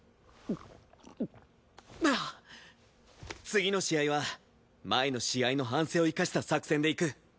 次の試合は前の試合の反省を生かした作戦でいく！